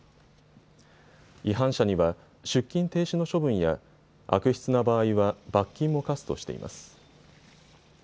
違反者には出勤停止の処分や悪質な場合は罰金も科すとしています。